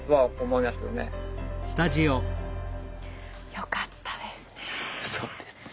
よかったですね。